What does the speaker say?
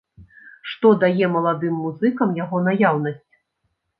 Што дае маладым музыкам яго наяўнасць?